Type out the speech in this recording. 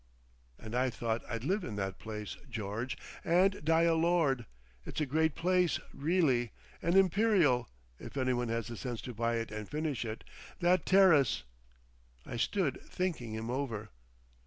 "And I thought I'd live in that place, George and die a lord! It's a great place, reely, an imperial—if anyone has the sense to buy it and finish it. That terrace—" I stood thinking him over.